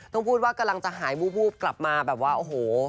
ต้องพูดว่ากำลังจะหายวูบกลับมาแบบว่าโอ้โห